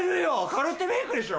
カルッテベイクでしょ？